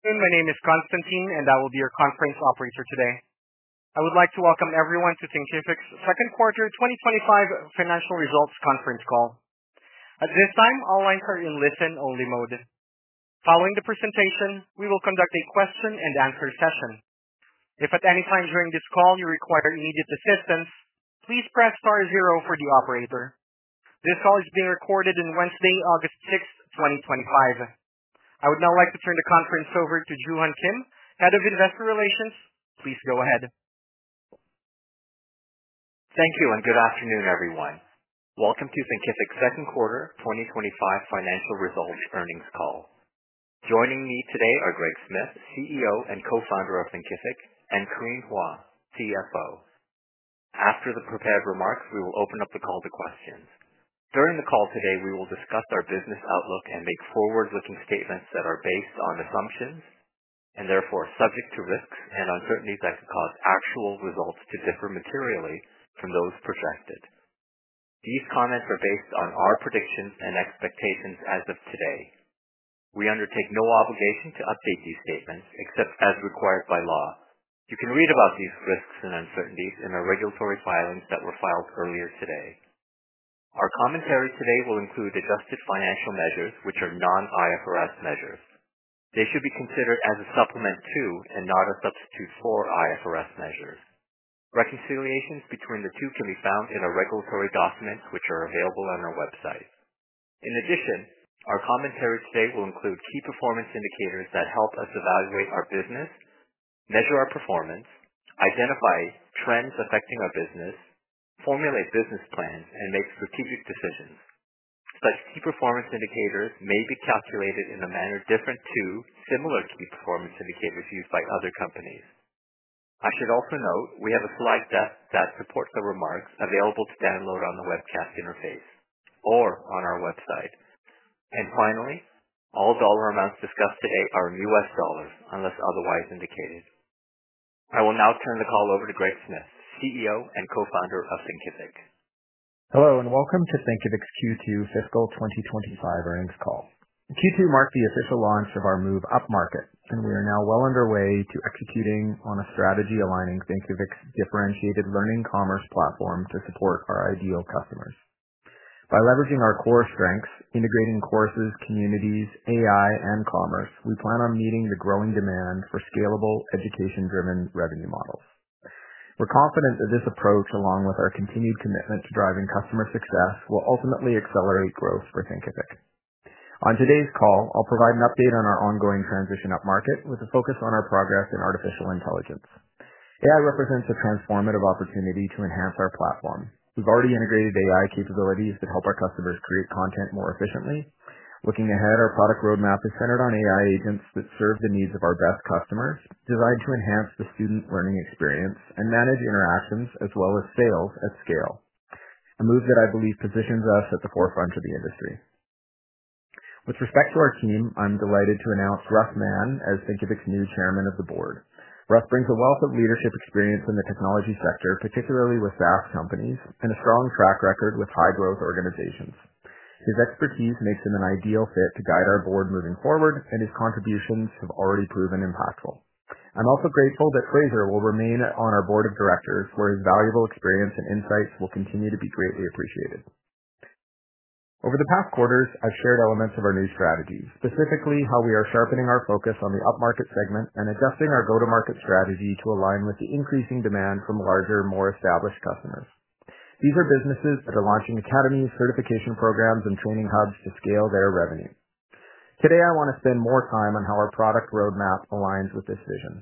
My name is Constantine, and I will be your conference operator today. I would like to welcome everyone to Thinkific's Second Quarter 2025 Financial Results Conference Call. At this time, all lines are in listen-only mode. Following the presentation, we will conduct a question and answer session. If at any time during this call you require immediate assistance, please press star zero for the operator. This call is being recorded on Wednesday, August 6, 2025. I would now like to turn the conference over to Joo-Hun Kim, Head of Investor Relations. Please go ahead. Thank you, and good afternoon, everyone. Welcome to Thinkific's Second Quarter 2025 Financial Results Earnings Call. Joining me today are Greg Smith, CEO and co-founder of Thinkific, and Corinne Hua, CFO. After the prepared remarks, we will open up the call to questions. During the call today, we will discuss our business outlook and make forward-looking statements that are based on assumptions and therefore subject to risks and uncertainties that could cause actual results to differ materially from those projected. These comments are based on our predictions and expectations as of today. We undertake no obligation to update these statements except as required by law. You can read about these risks and uncertainties in our regulatory filings that were filed earlier today. Our commentary today will include adjusted financial measures, which are non-IFRS measures. They should be considered as a supplement to and not a substitute for IFRS measures. Reconciliations between the two can be found in our regulatory documents, which are available on our website. In addition, our commentary today will include key performance indicators that help us evaluate our business, measure our performance, identify trends affecting our business, formulate business plans, and make strategic decisions. Such key performance indicators may be calculated in a manner different to similar key performance indicators used by other companies. I should also note we have a slide deck that supports the remarks available to download on the webcast interface or on our website. Finally, all dollar amounts discussed today are in US dollars unless otherwise indicated. I will now turn the call over to Greg Smith, CEO and co-founder of Thinkific. Hello and welcome to Thinkific's Q2 fiscal 2025 earnings call. Q2 marked the official launch of our move upmarket, and we are now well underway to executing on a strategy aligning Thinkific's differentiated learning commerce platform to support our ideal customers. By leveraging our core strengths, integrating courses, communities, AI, and commerce, we plan on meeting the growing demand for scalable education-driven revenue models. We're confident that this approach, along with our continued commitment to driving customer success, will ultimately accelerate growth for Thinkific. On today's call, I'll provide an update on our ongoing transition upmarket with a focus on our progress in artificial intelligence. AI represents a transformative opportunity to enhance our platform. We've already integrated AI capabilities that help our customers create content more efficiently. Looking ahead, our product roadmap is centered on AI agents that serve the needs of our best customers, designed to enhance the student learning experience and manage interactions as well as sales at scale. A move that I believe positions us at the forefront of the industry. With respect to our team, I'm delighted to announce Russ Mann as Thinkific's new Chairman of the Board. Russ brings a wealth of leadership experience in the technology sector, particularly with SaaS companies, and a strong track record with high-growth organizations. His expertise makes him an ideal fit to guide our board moving forward, and his contributions have already proven impactful. I'm also grateful that Fraser will remain on our Board of Directors, where his valuable experience and insights will continue to be greatly appreciated. Over the past quarters, I've shared elements of our new strategy, specifically how we are sharpening our focus on the upmarket segment and adjusting our go-to-market strategy to align with the increasing demand from larger, more established customers. These are businesses that are launching academies, certification programs, and training hubs to scale their revenue. Today, I want to spend more time on how our product roadmap aligns with this vision.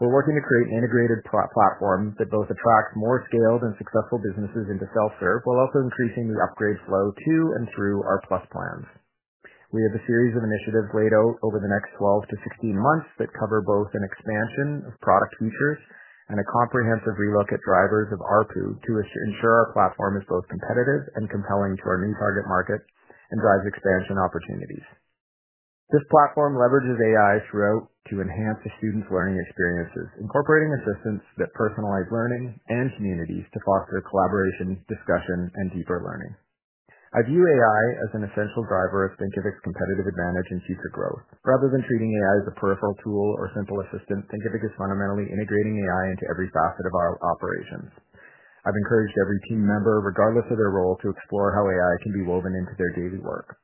We're working to create an integrated platform that both attracts more scaled and successful businesses into self-serve, while also increasing the upgrade flow to and through our Plus plans. We have a series of initiatives laid out over the next 12-16 months that cover both an expansion of product features and a comprehensive relook at drivers of ARPU to ensure our platform is both competitive and compelling to our new target market and drives expansion opportunities. This platform leverages AI throughout to enhance the students' learning experiences, incorporating assistants that personalize learning and communities to foster collaboration, discussion, and deeper learning. I view AI as an essential driver of Thinkific's competitive advantage and future growth. Rather than treating AI as a peripheral tool or simple assistant, Thinkific is fundamentally integrating AI into every facet of our operations. I've encouraged every team member, regardless of their role, to explore how AI can be woven into their daily work.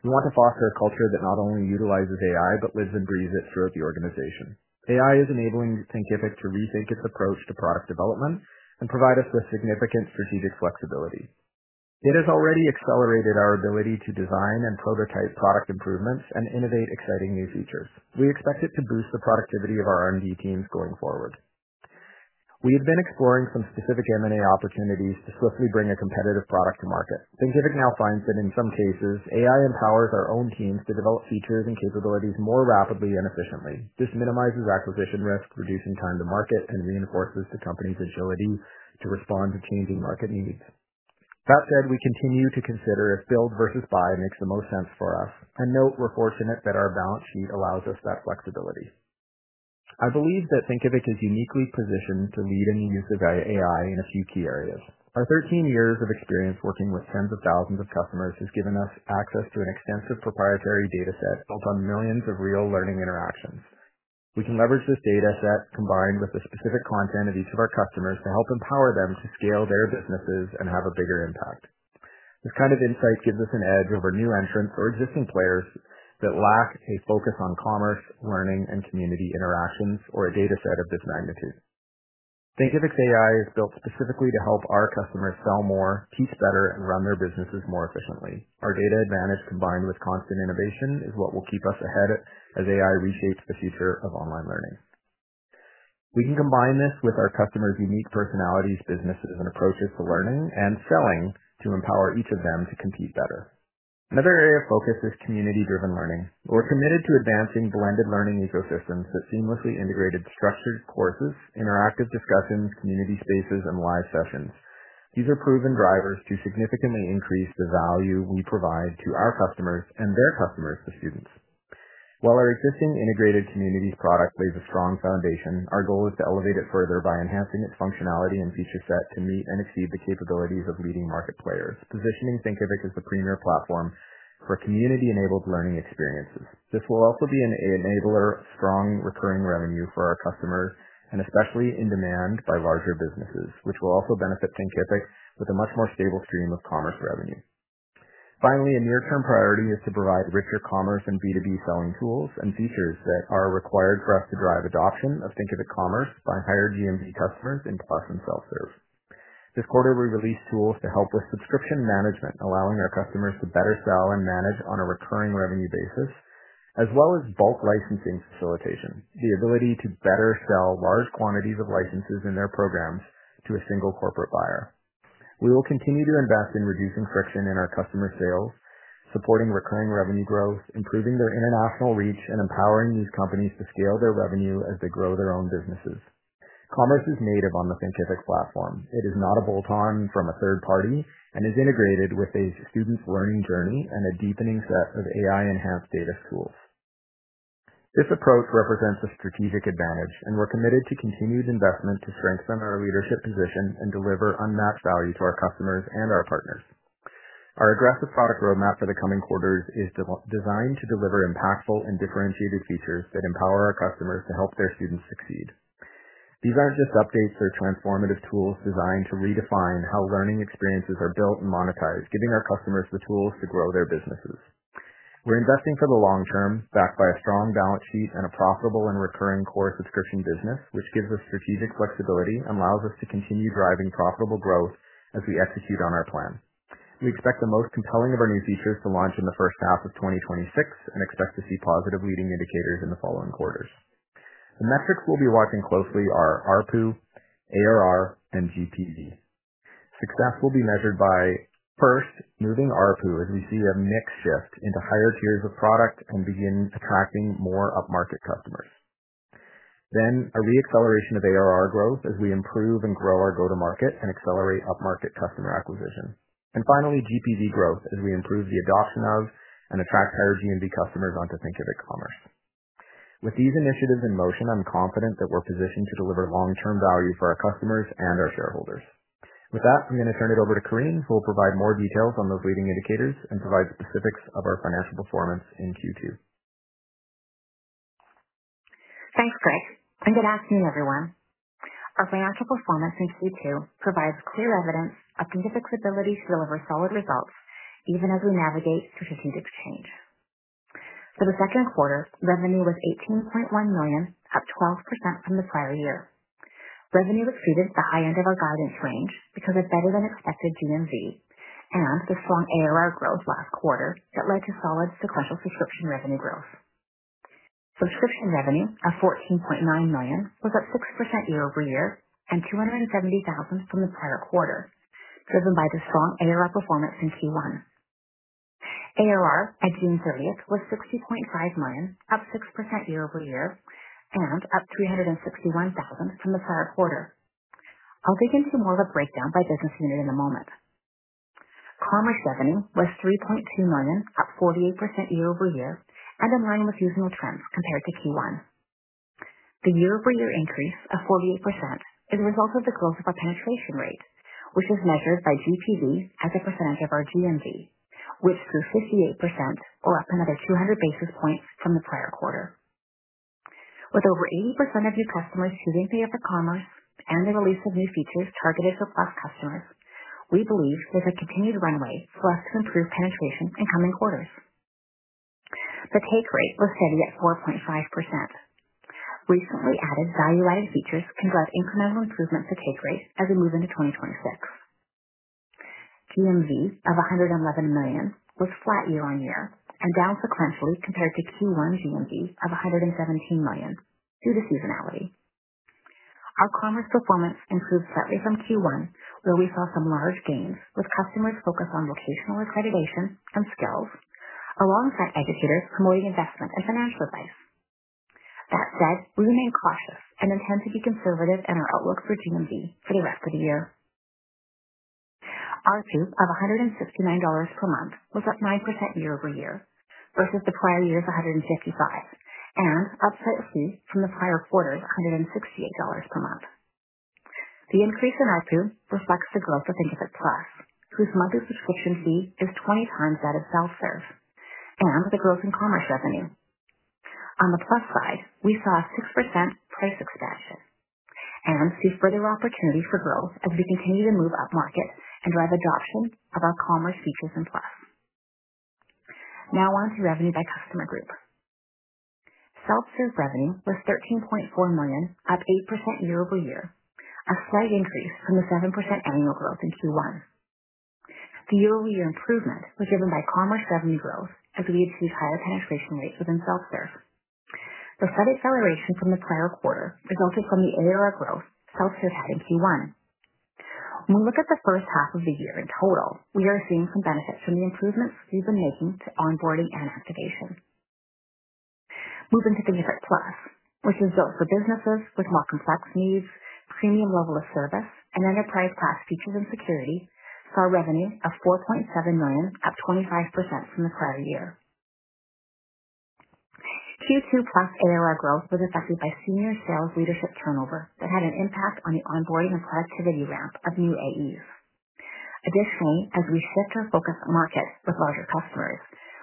We want to foster a culture that not only utilizes AI but lives and breathes it throughout the organization. AI is enabling Thinkific to rethink its approach to product development and provide us with significant strategic flexibility. It has already accelerated our ability to design and prototype product improvements and innovate exciting new features. We expect it to boost the productivity of our R&D teams going forward. We have been exploring some specific M&A opportunities to swiftly bring a competitive product to market. Thinkific now finds that in some cases, AI empowers our own teams to develop features and capabilities more rapidly and efficiently. This minimizes acquisition risk, reducing time to market, and reinforces the company's ability to respond to changing market needs. That said, we continue to consider if build versus buy makes the most sense for us, and note we're fortunate that our balance sheet allows us that flexibility. I believe that Thinkific is uniquely positioned to lead in the use of AI in a few key areas. Our 13 years of experience working with tens of thousands of customers has given us access to an extensive proprietary data set built on millions of real learning interactions. We can leverage this data set, combined with the specific content of each of our customers, to help empower them to scale their businesses and have a bigger impact. This kind of insight gives us an edge over new entrants or existing players that lack a focus on commerce, learning, and community interactions, or a data set of this magnitude. Thinkific's AI is built specifically to help our customers sell more, teach better, and run their businesses more efficiently. Our data advantage, combined with constant innovation, is what will keep us ahead as AI reshapes the future of online learning. We can combine this with our customers' unique personalities, businesses, and approaches to learning and selling to empower each of them to compete better. Another area of focus is community-driven learning. We're committed to advancing blended learning ecosystems that seamlessly integrate instructors, courses, interactive discussions, community spaces, and live sessions. These are proven drivers to significantly increase the value we provide to our customers and their customers to students. While our existing integrated communities product lays a strong foundation, our goal is to elevate it further by enhancing its functionality and feature set to meet and exceed the capabilities of leading market players, positioning Thinkific as the premier platform for community-enabled learning experiences. This will also be an enabler of strong recurring revenue for our customers, and especially in demand by larger businesses, which will also benefit Thinkific with a much more stable stream of commerce revenue. Finally, a near-term priority is to provide richer commerce and B2B selling tools and features that are required for us to drive adoption of Thinkific Commerce by higher GMV customers in Plus and self-serve. This quarter, we released tools to help with subscription management, allowing our customers to better sell and manage on a recurring revenue basis, as well as bulk licensing facilitation, the ability to better sell large quantities of licenses in their programs to a single corporate buyer. We will continue to invest in reducing friction in our customer sales, supporting recurring revenue growth, improving their international reach, and empowering these companies to scale their revenue as they grow their own businesses. Commerce is native on the Thinkific platform. It is not a bolt-on from a third party and is integrated with a student's learning journey and a deepening set of AI-enhanced data tools. This approach represents a strategic advantage, and we're committed to continued investment to strengthen our leadership position and deliver unmatched value to our customers and our partners. Our aggressive product roadmap for the coming quarters is designed to deliver impactful and differentiated features that empower our customers to help their students succeed. These aren't just updates or transformative tools designed to redefine how learning experiences are built and monetized, giving our customers the tools to grow their businesses. We're investing for the long-term, backed by a strong balance sheet and a profitable and recurring core subscription business, which gives us strategic flexibility and allows us to continue driving profitable growth as we execute on our plan. We expect the most compelling of our new features to launch in the first half of 2026 and expect to see positive leading indicators in the following quarters. The metrics we'll be watching closely are ARPU, ARR, and GPV. Success will be measured by, first, moving ARPU as we see a mix shift into higher tiers of product and begin attracting more upmarket customers. Next, a reacceleration of ARR growth as we improve and grow our go-to-market and accelerate upmarket customer acquisition. Finally, GPV growth as we improve the adoption of and attract higher GMV customers onto Thinkific Commerce. With these initiatives in motion, I'm confident that we're positioned to deliver long-term value for our customers and our shareholders. With that, I'm going to turn it over to Corinne, who will provide more details on those leading indicators and provide the specifics of our financial performance in Q2. Thanks, Greg. Good afternoon, everyone. Our financial performance in Q2 provides clear evidence of Thinkific's ability to deliver solid results even as we navigate strategic change. For the second quarter, revenue was $18.1 million, up 12% from the prior year. Revenue exceeded the high end of our guidance range because of better than expected GMV and the strong ARR growth last quarter that led to solid, successful subscription revenue growth. Subscription revenue of $14.9 million was up 6% year-over-year and $270,000 from the prior quarter, driven by the strong ARR performance in Q1. ARR by June 30 was $60.5 million, up 6% year-over-year, and up $361,000 from the prior quarter. I'll dig into more of the breakdown by business unit in a moment. Commerce revenue was $3.2 million, up 48% year-over-year, and among the seasonal trends compared to Q1. The year-over-year increase of 48% is a result of the growth of our penetration rate, which is measured by GPV as a percent of our GMV, which grew 58% or up another 200 basis points from the prior quarter. With over 80% of new customers choosing the upper commerce and the release of new features targeted for Plus customers, we believe with a continued runway for us to improve penetration in coming quarters. The take rate was steady at 4.5%. Recently added value-added features can drive incremental improvements to take rate as we move into 2026. GMV of $111 million was flat year on year and down sequentially compared to Q1 GMV of $117 million due to seasonality. Our commerce performance improved slightly from Q1, where we saw some large gains with customers focused on vocational accreditation and skills, alongside exhibitors promoting investment and financial advice. That said, we remain cautious and intend to be conservative in our outlook for GMV for the rest of the year. ARPU of $169 per month was up 9% year-over-year versus the prior year's $155 and up slightly from the prior quarter's $168 per month. The increase in ARPU reflects the growth of Thinkific Plus, whose monthly subscription fee is 20 times that of self-serve, and the growth in commerce revenue. On the Plus side, we saw a 6% price expansion and see further opportunity for growth as we continue to move upmarket and drive adoption of our commerce features and Plus. Now on to revenue by customer group. Self-serve revenue was $13.4 million, up 8% year-over-year, a slight increase from the 7% annual growth in Q1. The year-over-year improvement was driven by commerce revenue growth as we achieved higher penetration rates within self-serve. The slight acceleration from the prior quarter resulted from the ARR growth self-serve had in Q1. When we look at the first half of the year in total, we are seeing some benefits from the improvements we've been making to onboarding and activation. Moving to Thinkific Plus, which is built for businesses with more complex needs, premium level of service, and enterprise-class features and security, saw revenue of $4.7 million, up 25% from the prior year. Q2 Plus ARR growth was affected by senior sales leadership turnover that had an impact on the onboarding and productivity events of new AEs. Additionally, as we shift our focus on markets with larger customers,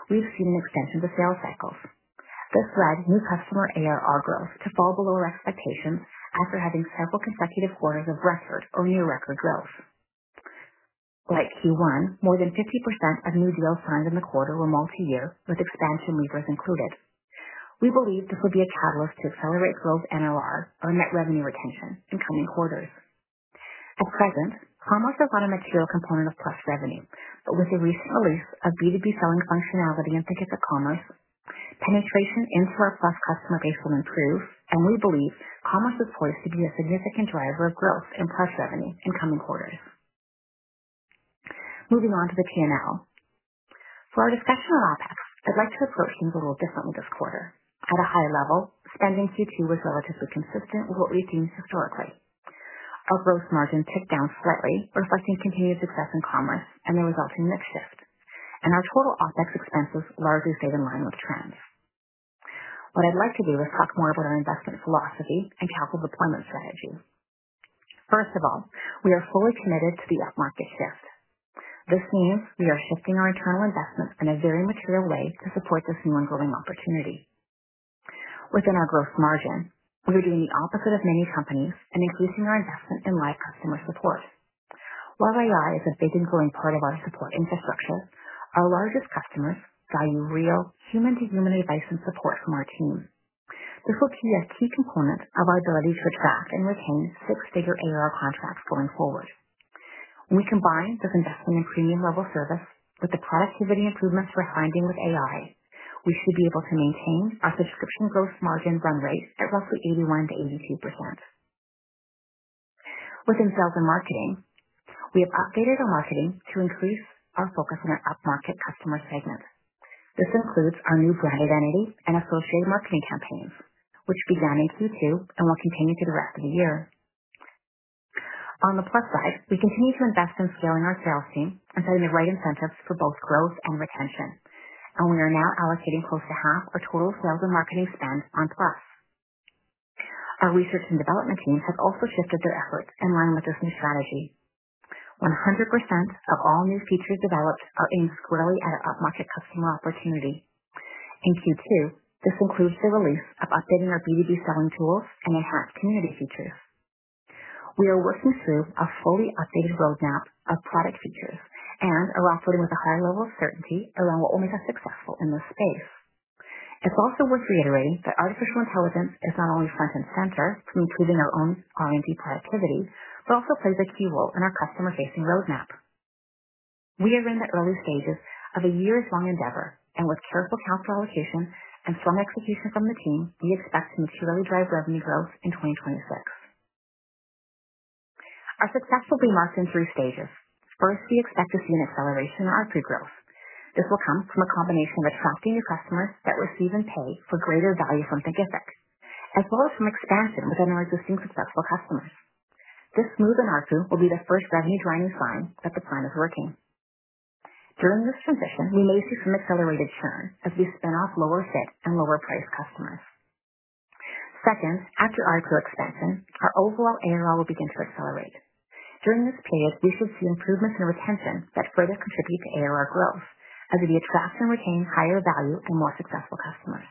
we've seen an extension to sales cycles. This led new customer ARR growth to fall below expectations after having several consecutive quarters of record or near-record growth. Like Q1, more than 50% of new deals signed in the quarter were multi-year, with expansion levers included. We believe this will be a catalyst to accelerate growth NRR and revenue retention in coming quarters. At present, commerce is not a material component of Plus revenue, but with the recent release of B2B selling functionality in Thinkific Commerce, penetration into our Plus customer base will improve, and we believe commerce is poised to be a significant driver of growth in Plus revenue in coming quarters. Moving on to the P&L. For our discussion on OpEx, I'd like to approach things a little differently this quarter. At a high level, spending in Q2 was relatively consistent with what we've seen historically. Our gross margin ticked down slightly, reflecting continued success in commerce and the resulting mix shift. Our total OpEx expenses largely stayed in line with trends. What I'd like to do is talk more about our investment philosophy and capital deployment strategy. First of all, we are fully committed to the upmarket shift. This means we are shifting our internal investments in a very material way to support this new ongoing opportunity. Within our gross margin, we're doing the opposite of many companies and increasing our investment in live customer support. While AI is a big and growing part of our support infrastructure, our largest customers value real, human-to-human advice and support from our team. This will be a key component of our ability to attract and retain six-figure ARR contracts going forward. When we combine this investment in premium level service with the productivity improvements we're finding with AI, we should be able to maintain our subscription gross margin run rates at roughly 81%-82%. Within sales and marketing, we have updated our marketing to increase our focus on an upmarket customer segment. This includes our new branded entities and our first day marketing campaigns, which began in Q2 and will continue through the rest of the year. On the plus side, we continue to invest in scaling our sales team and finding the right incentives for both growth and retention. We are now allocating close to half our total sales and marketing spend on Plus. Our Research and Development team has also shifted their efforts in line with this new strategy. 100% of all new features developed are aimed squarely at our upmarket customer opportunity. In Q2, this includes the release of updating our B2B selling tools and enhanced community features. We are working through a fully updated roadmap of product features and are operating with a high level of certainty around what will make us successful in this space. It's also worth reiterating that AI is not only front and center in improving our own R&D productivity, but also plays a key role in our customer-facing roadmap. We are in the early stages of a years-long endeavor, and with careful capital allocation and strong execution from the team, we expect to materially drive revenue growth in 2026. Our success will be marked in three stages. First, we expect to see an acceleration in ARPU growth. This will come from a combination of attracting new customers that receive and pay for greater value from Thinkific, as well as from expansion within our existing successful customers. This move in ARPU will be the first revenue-driving sign that the plan is working. During this transition, we may see some accelerated churn as we spin off lower fit and lower priced customers. Second, after ARPU expansion, our overall ARR will begin to accelerate. During this period, we should see improvements in retention that further contribute to ARR growth as we attract and retain higher value and more successful customers.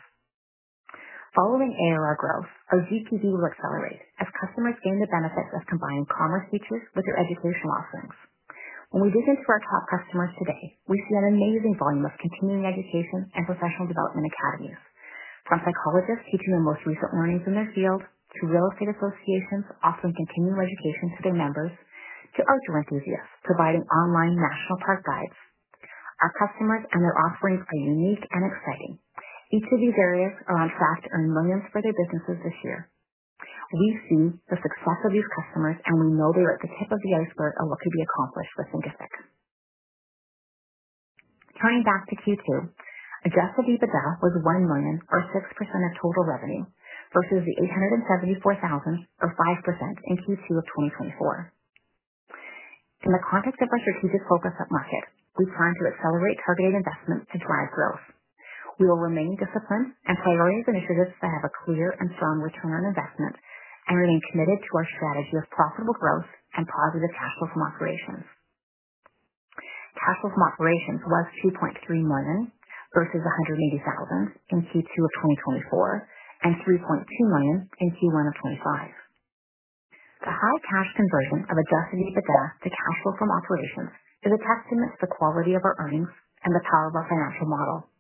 Following ARR growth, our GPV will accelerate as customers gain the benefits of combining commerce features with their educational offerings. When we dig into our top customers today, we see an amazing volume of continuing education and professional development academies. From psychologists seeking the most recent learnings in their field to real estate associations offering continuing education to their members, to ARPU enthusiasts providing online national product guides, our customers and their offerings are unique and exciting. Each of these areas are on track to earn millions for their businesses this year. We see the success of these customers, and we know they are at the tip of the iceberg of what could be accomplished with Thinkific. Turning back to Q2, addressable EBITDA was $1 million or 6% of total revenue versus the $874,000 or 5% in Q2 of 2024. In the context of our strategic focus on market, we plan to accelerate targeted investment to drive growth. We will remain disciplined and prolong our initiatives that have a clear and strong return on investment and remain committed to our strategy of profitable growth and positive cash flow from operations. Cash flow from operations was $2.3 million versus $180,000 in Q2 of 2024 and $3.2 million in Q1 of 2025. The high cash conversion of adjusted EBITDA to cash flow from operations is a testament to the quality of our earnings and the power of our financial model.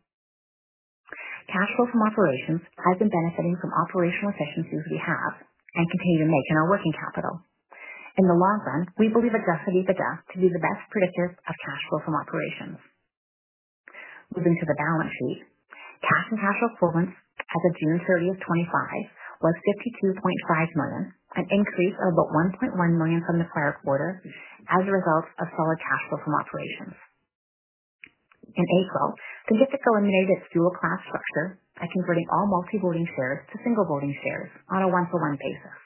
Cash flow from operations has been benefiting from operational efficiencies we have and continue to make in our working capital. In the long run, we believe adjusted EBITDA to be the best predictor of cash flow from operations. Moving to the balance sheet, cash and cash equivalents on June 30, 2025 was $52.5 million, an increase of about $1.1 million from the prior quarter as a result of solid cash flow from operations. In April, Thinkific eliminated its dual class share structure by converting all multi-voting shares to single voting shares on a one-for-one basis.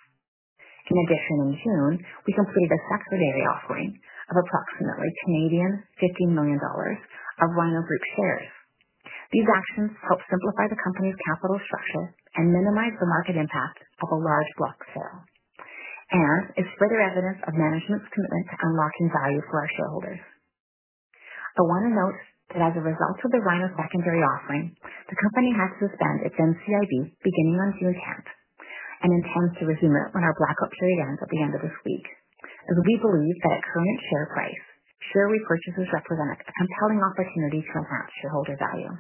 In addition, in June, we completed a secondary offering of approximately CAD $50 million of Rhino Group shares. These actions helped simplify the company's capital structure and minimize the market impact of a large block sale. It is further evidence of management's commitment to unlocking value for our shareholders. I want to note that as a result of the Rhino secondary offering, the company has to suspend its NCIBs beginning on June 10 and intends to resume it when our blackout period ends at the end of this week. We believe that at current share price, share repurchases represent a compelling opportunity for our shareholder value.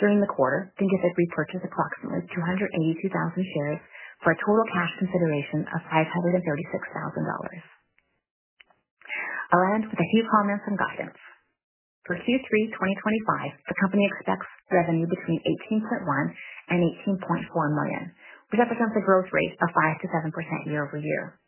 During the quarter, Thinkific repurchased approximately $282,000 shares for a total cost consideration of $536,000. I'll end with a few comments on guidance. For Q3 2025, the company expects revenue between $18.1 million and $18.4 million, which represents a growth rate of 5%-7% year-over-year.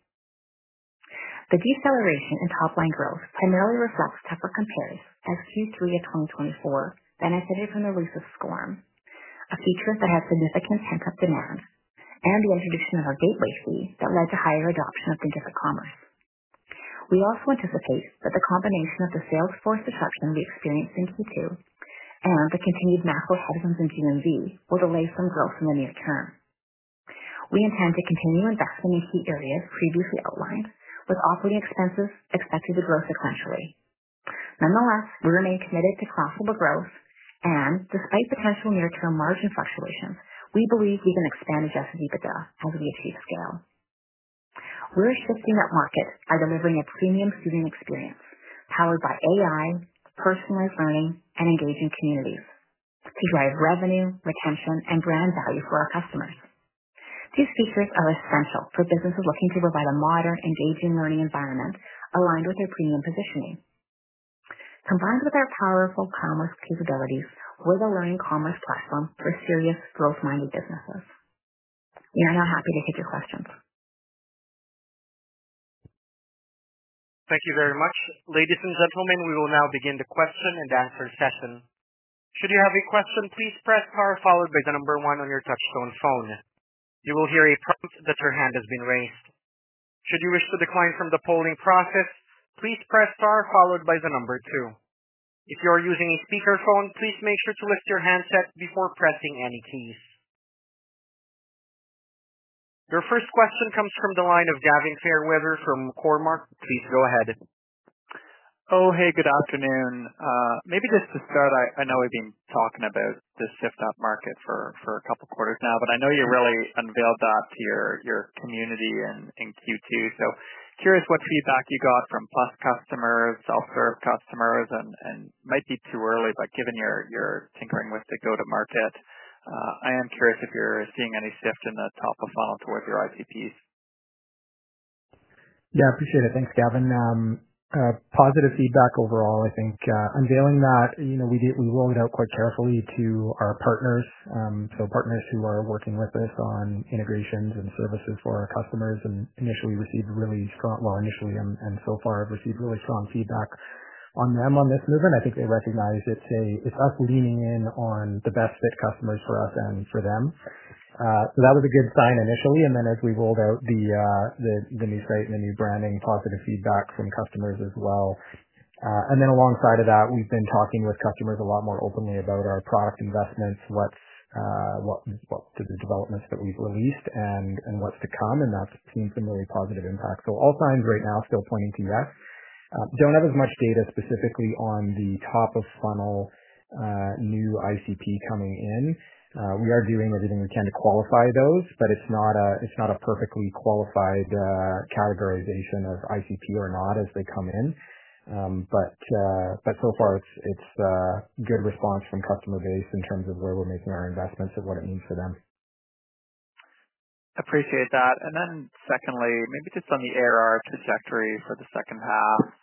The deceleration in top line growth primarily reflects tougher compares as Q3 2024 benefited from the release of SCORM, a feature that had significant pent-up demand, and the introduction of our gateway fee that led to higher adoption of Thinkific Commerce. We also anticipate that the combination of the sales force adjustment we experienced in Q2 and the continued massive holdings in GPV will delay some growth in the near term. We intend to continue investing in key areas previously outlined, with operating expenses expected to grow sequentially. Nonetheless, we remain committed to profitable growth, and despite potential near-term margin fluctuations, we believe we can expand adjusted EBITDA as we achieve scale. We're shifting that market by delivering a premium seating experience powered by AI, personalized learning, and engaging communities to drive revenue, retention, and brand value for our customers. These features are essential for businesses looking to provide a modern, engaging learning environment aligned with their premium positioning. Combined with our powerful commerce capabilities, we're the learning commerce platform for serious growth-minded businesses. We are now happy to take your questions. Thank you very much. Ladies and gentlemen, we will now begin the question and answer session. Should you have a question, please press star followed by the number one on your touch-tone phone. You will hear a prompt that your hand has been raised. Should you wish to decline from the polling process, please press star followed by the number two. If you are using a speakerphone, please make sure to lift your handset before pressing any keys. Your first question comes from the line of Gavin Fairweather from Cormark. Please go ahead. Oh, hey, good afternoon. Maybe just to start, I know we've been talking about this shift upmarket for a couple of quarters now, but I know you really unveiled that to your community in Q2. Curious what feedback you got from Plus customers, self-serve customers, and might be too early, but given you're tinkering with the go-to-market, I am curious if you're seeing any shift in the top of funnel towards your RPPs. Yeah, I appreciate it. Thanks, Gavin. Positive feedback overall. I think unveiling that, you know, we rolled it out quite carefully to our partners, so partners who are working with us on integrations and services for our customers. Initially, we received really strong feedback on this movement. I think they recognize it's us leaning in on the best fit customers for us and for them. That was a good sign initially. As we rolled out the new site and the new branding, positive feedback from customers as well. Alongside that, we've been talking with customers a lot more openly about our product investments, what is what to the developments that we've released and what's to come. That's seen some really positive impact. All signs right now still pointing to yes. Don't have as much data specifically on the top of funnel new ICP coming in. We are doing everything we can to qualify those, but it's not a perfectly qualified categorization of ICP or not as they come in. So far, it's a good response from customer base in terms of where we're making our investments and what it means for them. Appreciate that. Secondly, maybe just on the ARR trajectory for the second half,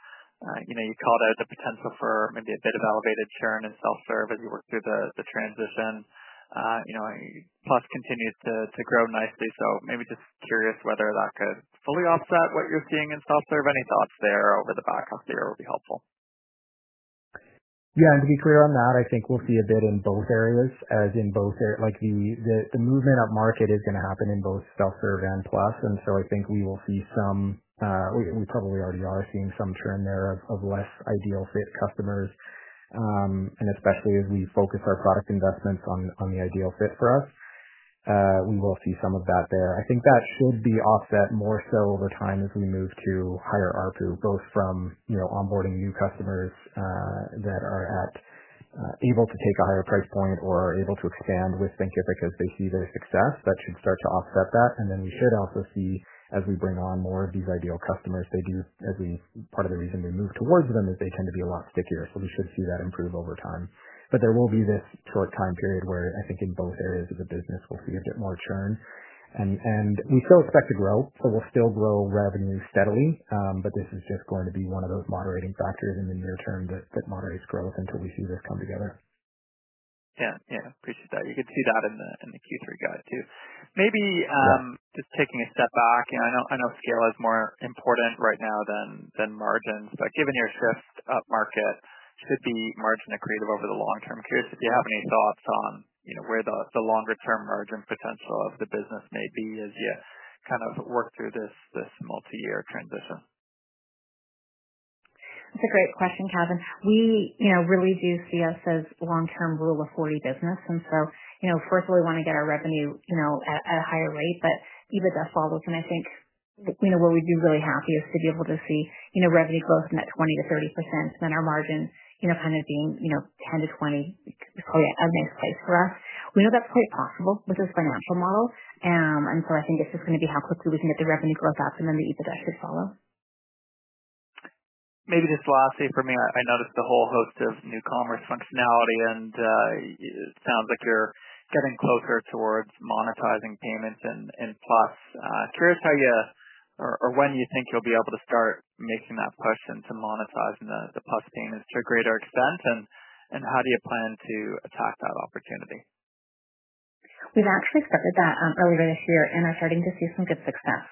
you know, you called out the potential for maybe a bit of elevated churn in self-serve as you work through the transition. Plus continued to grow nicely. Maybe just curious whether that could fully offset what you're seeing in self-serve. Any thoughts there over the backup data would be helpful. Yeah, to be clear on that, I think we'll see a bit in both areas, as in both areas, like the movement upmarket is going to happen in both self-serve and Plus. I think we will see some, we probably already are seeing some churn there of less ideal fit customers. Especially as we focus our product investments on the ideal fit for us, we will see some of that there. I think that could be offset more so over time as we move to higher ARPU, both from onboarding new customers that are able to take a higher price point or are able to expand with Thinkific as they see their success. That should start to offset that. We should also see, as we bring on more of these ideal customers, they do, as a part of the reason we move towards them, tend to be a lot stickier. We should see that improve over time. There will be this short time period where I think in both areas of the business, we'll see a bit more churn. We still expect to grow, and we'll still grow revenue steadily. This is just going to be one of those moderating factors in the near term that moderates growth until we see this come together. Yeah, I appreciate that. You could see that in the Q3 guide too. Maybe just taking a step back, I know scale is more important right now than margins, but given your shift upmarket, should it be margin accretive over the long-term? Curious if you have any thoughts on where the longer term margin potential of the business may be as you kind of work through this multi-year transition. That's a great question, Kevin. We really do see us as long-term rule of 40 business. First, we want to get our revenue at a higher rate, but EBITDA follows. What we'd be really happy is to be able to see revenue growth in that 20%-30% and our margin, you know, kind of being, you know, 10%-20%, oh, yeah, a nice place for us. We know that's quite possible with this financial model. I think it's just going to be how quickly we can get the revenue growth up and then the EBITDA should follow. Maybe just lastly for me, I noticed a whole host of new commerce functionality, and it sounds like you're getting closer towards monetizing payments in Plus. Curious how you or when you think you'll be able to start making that push into monetizing the Plus payments to a greater extent, and how do you plan to attack that opportunity? We've actually started that earlier this year and are starting to see some good success.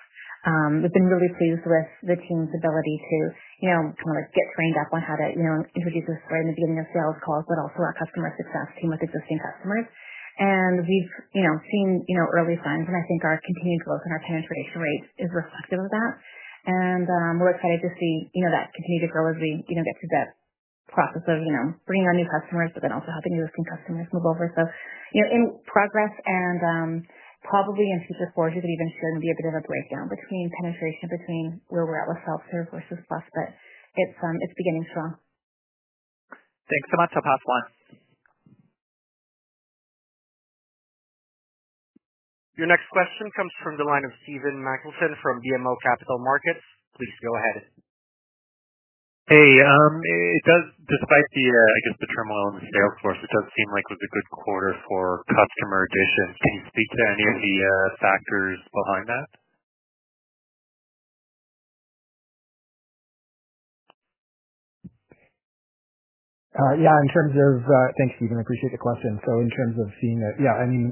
We've been really pleased with the team's ability to get trained up on how to introduce this right in the beginning of sales calls, but also our Customer Success team with existing customers. We've seen early signs and I think our continued growth in our 10% and traditional rates is reflective of that. We're excited to see that continue to grow as we get to the process of bringing on new customers, but then also helping existing customers move over. In progress and probably in Q4 here that even showed maybe a bit of a breakdown between penetration between where we're at with self-serve versus Plus, but it's beginning to show. Thanks so much. I'll pass on. Your next question comes from the line of Stephen Machielsen from BMO Capital Markets. Please go ahead. It does, despite the turmoil in the sales force, it does seem like it was a good quarter for customer addition. Can you speak to any of the factors behind that? Yeah, in terms of, thanks Stephen, I appreciate the question. In terms of seeing that, yeah, I'm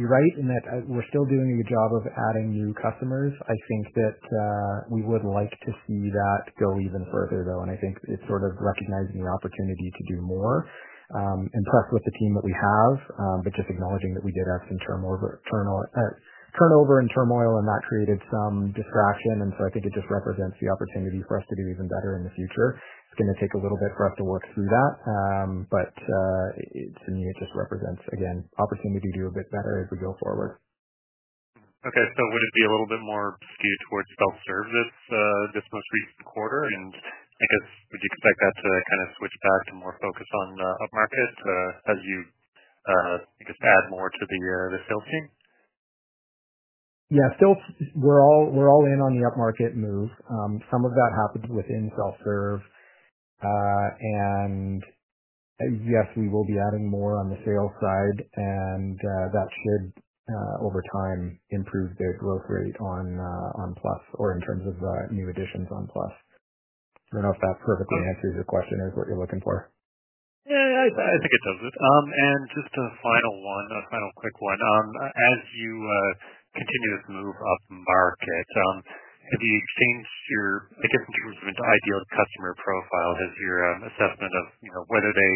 right in that we're still doing a good job of adding new customers. I think that we would like to see that go even further though, and I think it's sort of recognizing the opportunity to do more. I'm impressed with the team that we have, just acknowledging that we did have some turnover and turmoil and that created some distraction. I think it just represents the opportunity for us to do even better in the future. It's going to take a little bit for us to work through that. To me, it just represents, again, opportunity to do a bit better as we go forward. Okay, would it be a little bit more skewed towards self-serve this monthly quarter? I guess would you expect that to kind of switch back to more focus on upmarket as you just add more to the sales team? Yeah, we're all in on the upmarket move. Some of that happens within self-serve. Yes, we will be adding more on the sales side, and that should, over time, improve the growth rate on Plus or in terms of new additions on Plus. I don't know if that perfectly answers your question as to what you're looking for. Yeah, I think it does. Just a final one, a final quick one. As you continue this move upmarket, have you changed your, I guess, movement to ideal customer profile? Has your assessment of whether they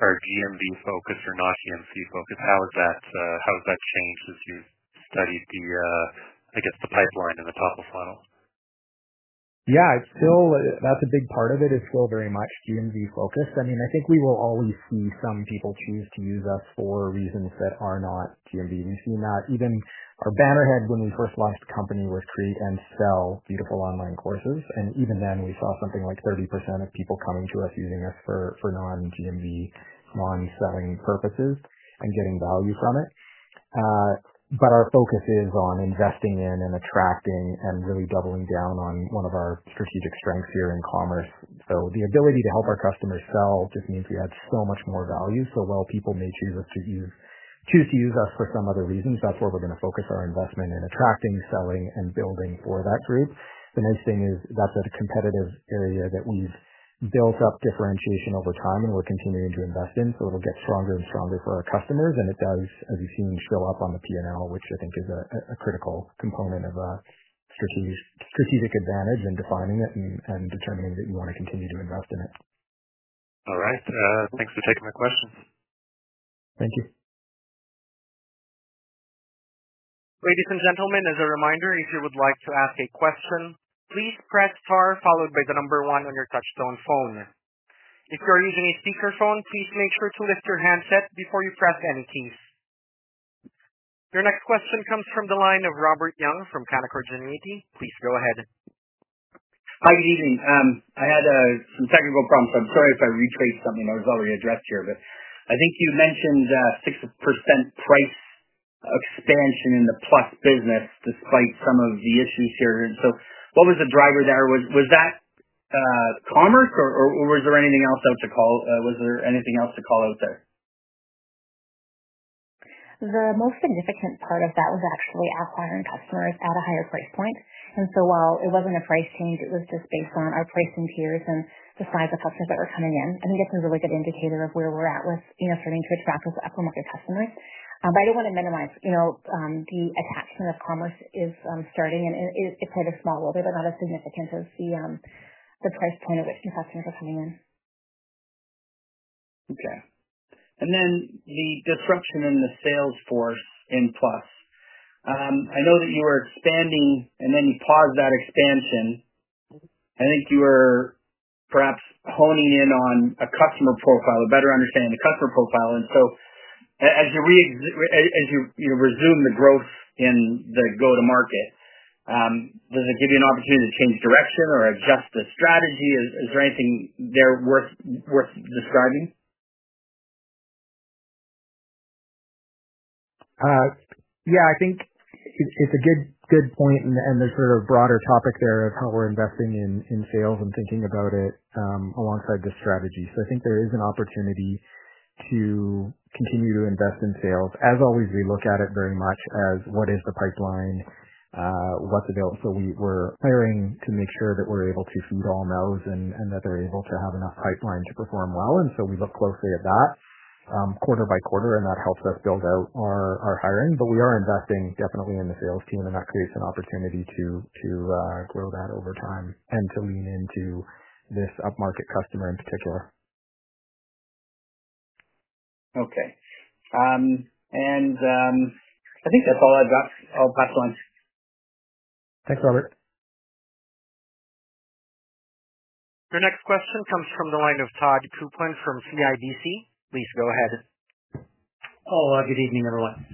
are GMV focused or not GMV focused, how has that changed as you studied the pipeline in the top of funnel? Yeah, that's a big part of it, it's still very much GMV focused. I mean, I think we will always see some people choose to use us for reasons that are not GMV. We've seen that even our banner head when we first launched the company was create and sell beautiful online courses. Even then, we saw something like 30% of people coming to us using us for non-GMV launch selling purposes and getting value from it. Our focus is on investing in and attracting and really doubling down on one of our strategic strengths here in commerce. The ability to help our customers sell just means we add so much more value. While people may choose to use us for some other reasons, that's where we're going to focus our investment in attracting, selling, and building for that group. The nice thing is that's a competitive area that we've built up differentiation over time and we're continuing to invest in. It'll get stronger and stronger for our customers. It does, as you see, fill up on the P&L, which I think is a critical component of the strategic advantage in defining it and determining that you want to continue to invest in it. All right, thanks for taking my question. Thank you. Ladies and gentlemen, as a reminder, if you would like to ask a question, please press star followed by the number one on your touch-tone phone. If you are using a speakerphone, please make sure to lift your handset before you press any keys. Your next question comes from the line of Robert Young from Canaccord Genuity. Please go ahead. Hi, Corinne. I had some technical problems. I'm sorry if I retraced something that was already addressed here, but I think you mentioned a 6% price expansion in the Plus business despite some of the issues here. What was the driver there? Was that Commerce or was there anything else to call out there? The most significant part of that was actually acquiring customers at a higher price point. While it wasn't a price change, it was just based on our pricing tiers and the size of customers that were coming in. I think it's a really good indicator of where we're at with, you know, starting to attract us upmarket customers. I don't want to minimize, you know, the attachment of Commerce is starting and it's at a small level, but not as significant as the price point of it and customers are coming in. Okay. The disruption in the sales force in Plus, I know that you were expanding and then you paused that expansion. I think you were perhaps honing in on a customer profile, a better understanding of the customer profile. As you resume the growth in the go-to-market, does it give you an opportunity to change direction or adjust the strategy? Is there anything there worth describing? Yeah, I think it's a good point and the sort of broader topic there of how we're investing in sales and thinking about it alongside this strategy. I think there is an opportunity to continue to invest in sales. As always, we look at it very much as what is the pipeline, what's available. We're hiring to make sure that we're able to feed all those and that they're able to have enough pipeline to perform well. We look closely at that quarter by quarter and that helps us build out our hiring. We are investing definitely in the sales team and that creates an opportunity to grow that over time and zooming into this upmarket customer in particular. Okay, I think that's all I've got. I'll pass once. Thanks, Robert. Your next question comes from the line of Todd Coupland from CIBC. Please go ahead. Good evening, everyone.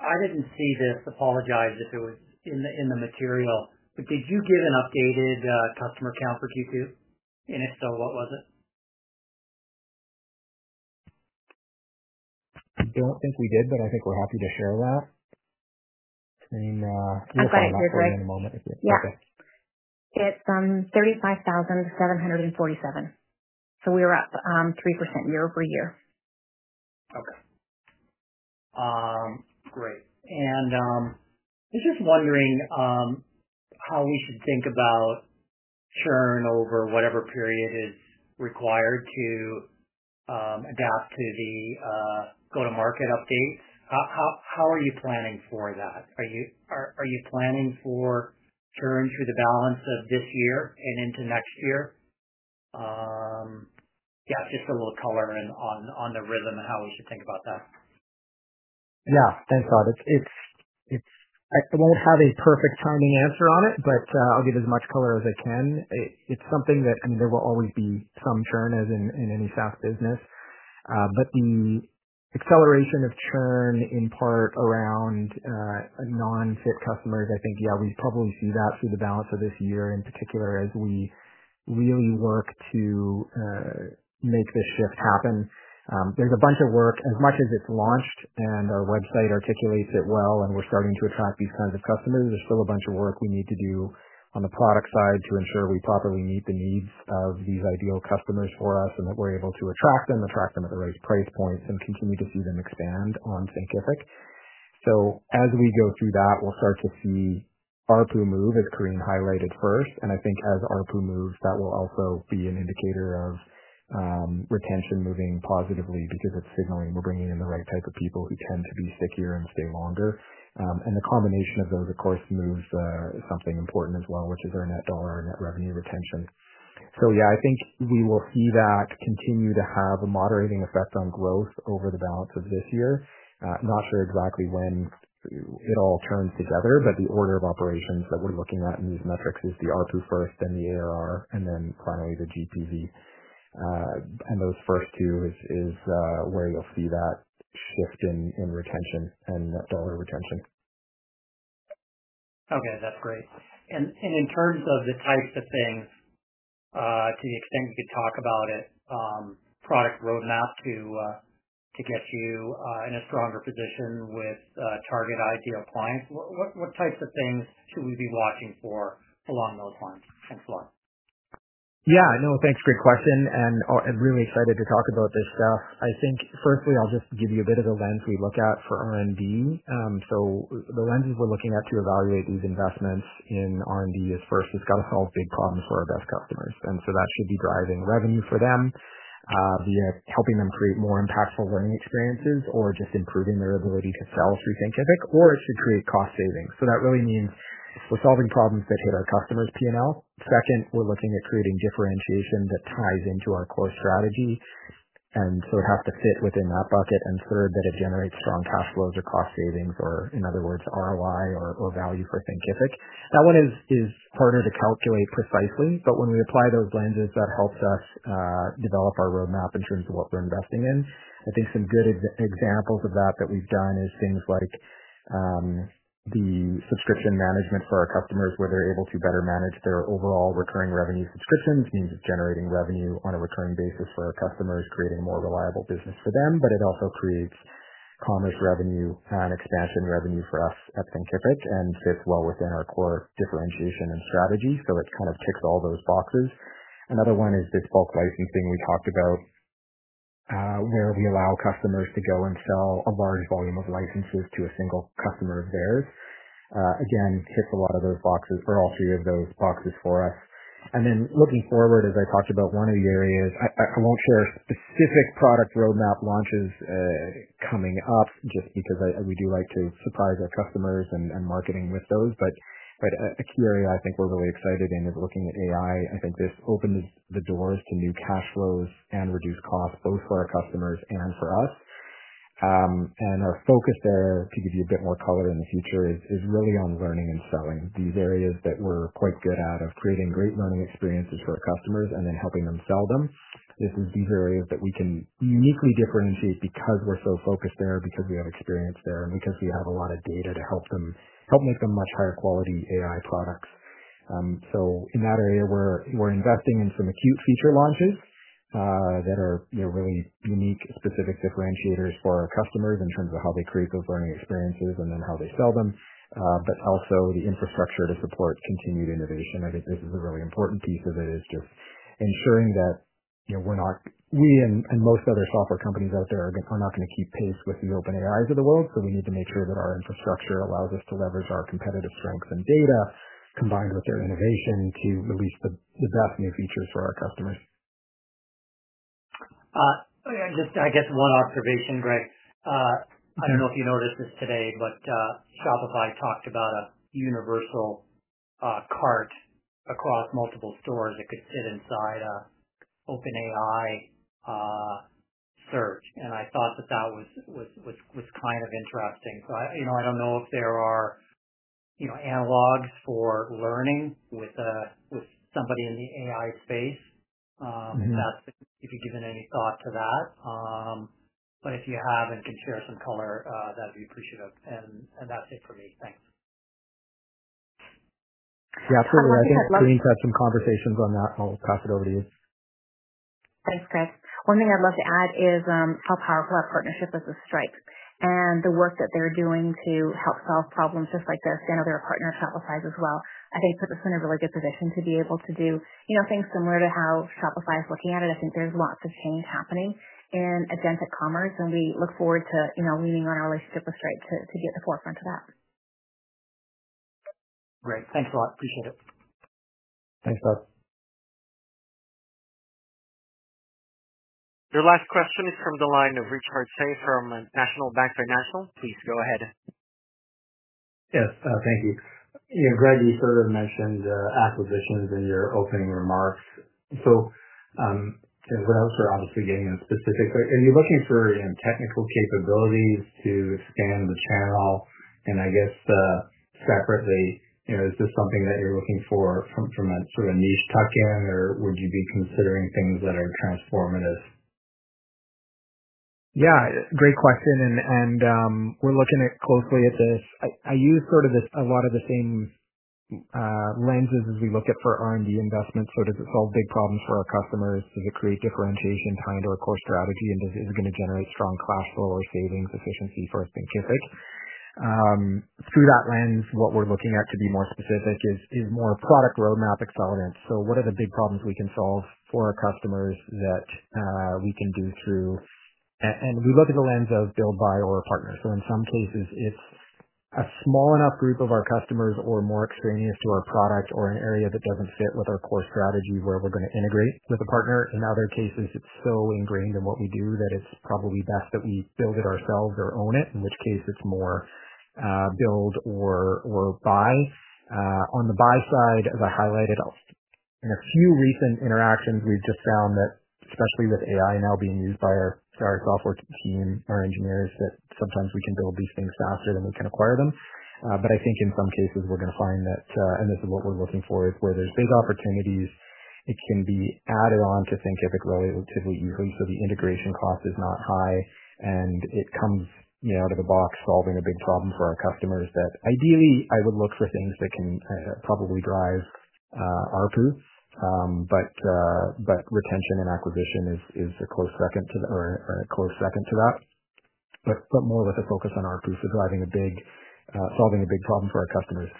I didn't see this. Apologize if it was in the material, but did you give an updated customer count for Q2? If so, what was it? I don't think we did, but I think we're happy to share that. I'll send it to everyone in a moment. It's $35,747. We're up 3% year-over-year. Great. I'm just wondering how we should think about churn over whatever period is required to adapt to the go-to-market updates. How are you planning for that? Are you planning for churn through the balance of this year and into next year? Just a little coloring on the rhythm and how we should think about that. Yeah, thanks, Todd. I won't have a perfect timing answer on it, but I'll give as much color as I can. It's something that there will always be some churn as in any SaaS business. The acceleration of churn in part around non-ship customers, I think, yeah, we probably see that through the balance of this year in particular as we really work to make this shift happen. There's a bunch of work as much as it's launched and our website articulates it well and we're starting to attract these kinds of customers. There's still a bunch of work we need to do on the product side to ensure we properly meet the needs of these ideal customers for us and that we're able to attract them, attract them at the right price points, and continue to see them expand on Thinkific. As we go through that, we'll start to see ARPU move as Corinne highlighted first. I think as ARPU moves, that will also be an indicator of retention moving positively because it's signaling we're bringing in the right type of people who tend to be stickier and stay longer. The combination of those, of course, moves something important as well, which is our net dollar and net revenue retention. I think we will see that continue to have a moderating effect on growth over the balance of this year. Not sure exactly when it all turns together, but the order of operations that we're looking at in these metrics is the ARPU first, then the ARR, and then finally the GPV and dollar retention. Okay, that's great. In terms of the types of things, to the extent you could talk about it, product roadmap to get you in a stronger position with target ideal clients, what types of things should we be watching for along those lines? Yeah, no, thanks. Great question. I'm really excited to talk about this stuff. I think firstly, I'll just give you a bit of a lens we look at for R&D. The lenses we're looking at to evaluate these investments in R&D is first, it's got to solve big problems for our best customers. That could be driving revenue for them via helping them create more impactful learning experiences or just improving their ability to sell through Thinkific or it's to create cost savings. That really means we're solving problems that hit our customers' P&L. Second, we're looking at creating differentiation that ties into our core strategy. It has to fit within that bucket. Third, that it generates strong cash flows or cost savings or, in other words, ROI or value for Thinkific. That one is harder to calculate precisely, but when we apply those lenses, that helps us develop our roadmap in terms of what we're investing in. I think some good examples of that that we've done is things like the subscription management for our customers where they're able to better manage their overall recurring revenue subscriptions, means it's generating revenue on a recurring basis for our customers, creating a more reliable business for them, but it also creates promise revenue and expansion revenue for us at Thinkific and fits well within our core differentiation and strategy. It kind of ticks all those boxes. Another one is the bulk licensing we talked about where we allow customers to go and sell a large volume of licenses to a single customer of theirs. Again, it hits a lot of those boxes or all three of those boxes for us. Looking forward, as I talked about one of the areas, I won't share specific product roadmap launches coming up just because we do like to surprise our customers and marketing with those. A key area I think we're really excited in is looking at AI. I think this opens the doors to new cash flows and reduced costs, both for our customers and for us. Our focus there, to give you a bit more color in the future, is really on learning and selling. These areas that we can uniquely differentiate because we're so focused there, because we have experience there, and because we have a lot of data to help them help make them much higher quality AI products. In that area, we're investing in some acute feature launches that are really unique specific differentiators for our customers in terms of how they create those learning experiences and then how they sell them, but also the infrastructure to support continued innovation. I think this is a really important piece of it, just ensuring that we and most other software companies out there are not going to keep pace with the open AIs of the world. We need to make sure that our infrastructure allows us to leverage our competitive strengths and data combined with their innovation to release the best new features for our customers. I guess, one observation, Greg. I don't know if you noticed this today, but Shopify talked about a universal cart across multiple stores that could sit inside an OpenAI cert. I thought that that was kind of interesting. I don't know if there are analogs for learning with somebody in the AI space. If you've given any thought to that, if you have and can share some color, that'd be appreciative. That's it for me. Thanks. Yeah, absolutely. I think Corinne's had some conversations on that. I'll pass it over to you. Thanks, Greg. One thing I'd love to add is how powerful our partnership is with Stripe and the work that they're doing to help solve problems just like this. I know they're a partner of Shopify as well. I think they're just in a really good position to be able to do things similar to how Shopify is looking at it. I think there's lots of change happening in agentic commerce, and we look forward to leaning on our relationship with Stripe to get the forefront of that. Great, thanks a lot. Appreciate it. Thanks, both. Your last question is from the line of Richard Tse from National Bank Financial. Please go ahead. Yes, thank you. Greg, you sort of mentioned acquisitions in your opening remarks. We're out for obviously getting a specific, are you looking for technical capabilities to expand the channel? I guess, separately, is this something that you're looking for from a niche tuck in, or would you be considering things that are transformative? Yeah, great question. We're looking closely at this. I use a lot of the same lenses as we look at for R&D investments. Does it solve big problems for our customers? Does it create differentiation behind our core strategy, and is it going to generate strong class or savings efficiency for us in Thinkific? Through that lens, what we're looking at, to be more specific, is more product roadmap excellence. What are the big problems we can solve for our customers that we can do through? We look at the lens as deal, buyer, or partner. In some cases, it's a small enough group of our customers or more experienced through our products or an area that doesn't fit with our core strategy where we're going to integrate with a partner. In other cases, it's so ingrained in what we do that it's probably best that we build it ourselves or own it, in which case it's more build or buy. On the buy side, as I highlighted in a few recent interactions, we've just found that, especially with AI now being used by our software team or engineers, sometimes we can build these things faster than we can acquire them. I think in some cases we're going to find that, and this is what we're looking for, where there's big opportunities, it's going to be added on to Thinkific relatively easily. The integration cost is not high, and it comes out of the box solving a big problem for our customers. Ideally, I would look for things that can probably drive ARPU, but retention and acquisition is a close second to that. Let's put more of a focus on ARPU for driving a big, solving a big problem for our customers.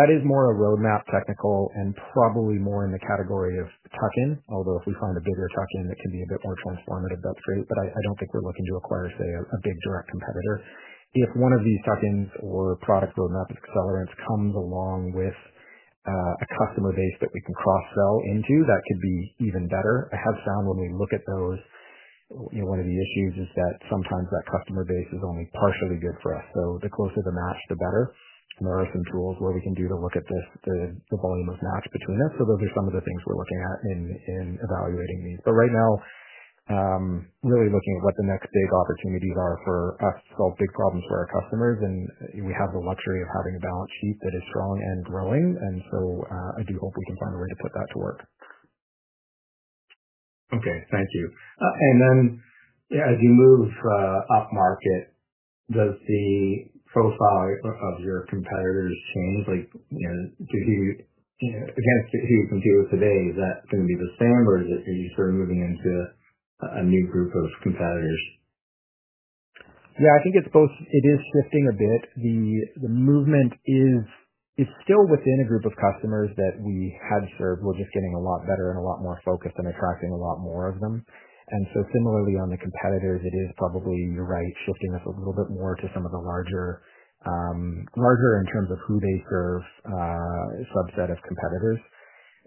That is more a roadmap technical and probably more in the category of tuck-in. Although if we find a bigger tuck-in that can be a bit more transformative, that's great. I don't think we're looking to acquire, say, a big direct competitor. If one of these tuck-ins or product roadmap accelerants comes along with a customer base that we can cross-sell into, that could be even better. I have found when we look at those, one of the issues is that sometimes that customer base is only partially good for us. The closer the match, the better. There are some tools we can use to look at the volume of match between us. Those are some of the things we're looking at in evaluating these. Right now, really looking at what the next big opportunities are for us to solve big problems for our customers. We have the luxury of having a balance sheet that is strong and growing, and I do hope we can find a way to put that to work. Okay, thank you. As you move upmarket, does the profile of your competitors change? Like, you know, against who you compete with today, is that going to be the same or are you sort of moving into a new group of competitors? Yeah, I think it's both. It is shifting a bit. The movement is still within a group of customers that we had served. We're just getting a lot better and a lot more focused and attracting a lot more of them. Similarly, on the competitors, it is probably, you're right, shifting us a little bit more to some of the larger, larger in terms of who they serve, subset of competitors.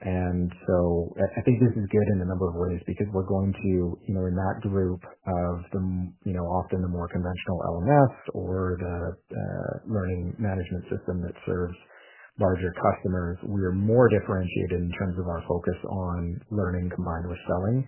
I think this is good in a number of ways because we're going to, you know, in that group of the, you know, often the more conventional LMS or the learning management system that serves larger customers, we are more differentiated in terms of our focus on learning combined with selling,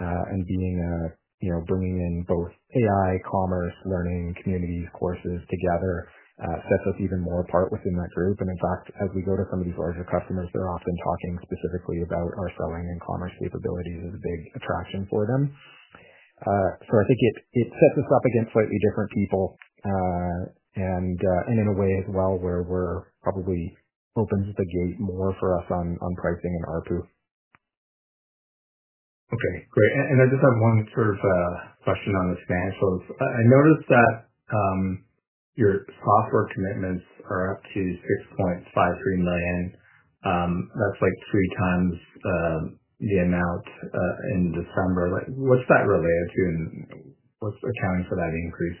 and being, you know, bringing in both AI, commerce, learning, communities, courses together, sets us even more apart within that group. In fact, as we go to somebody who has a customer, they're often talking specifically about our selling and commerce capabilities as a big attraction for them. I think it sets us up against slightly different people, and in a way as well where it probably opens the gate more for us on pricing and ARPU. Okay, great. I just have one sort of question on the stand. I noticed that your software commitments are up to $6.53 million. That's like three times the amount in December. What's that related to and what's accounting for that increase?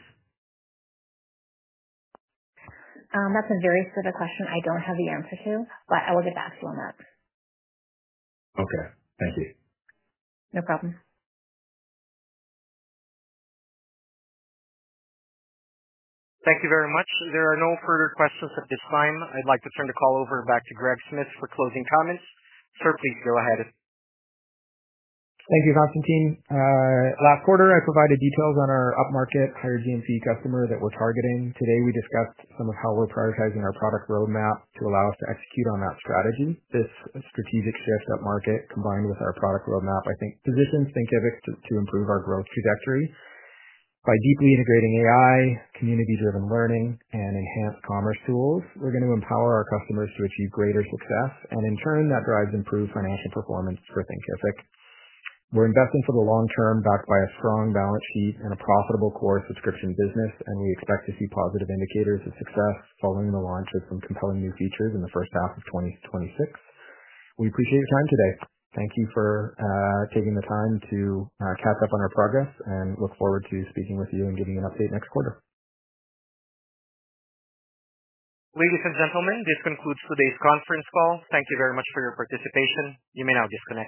That's a very specific question. I don't have the answer to it, but I will get back to them. Okay, thank you. No problem. Thank you very much. There are no further questions at this time. I'd like to turn the call over back to Greg Smith for closing comments. Sir, please go ahead. Thank you, Constantine. Last quarter, I provided details on our upmarket higher GMV customer that we're targeting. Today, we discussed some of how we're prioritizing our product roadmap to allow us to execute on that strategy. This strategic shift upmarket combined with our product roadmap, I think, positions Thinkific to improve our growth trajectory. By deeply integrating AI, community-enabled learning, and enhanced commerce tools, we're going to empower our customers to achieve greater success and ensuring that drives improved financial performance for Thinkific. We're investing for the long-term, backed by a strong balance sheet and a profitable core subscription business, and we expect to see positive indicators of success following the launch of some compelling new features in the first half of 2026. We appreciate your time today. Thank you for taking the time to catch up on our progress and look forward to speaking with you and giving you an update next quarter. Ladies and gentlemen, this concludes today's conference call. Thank you very much for your participation. You may now disconnect.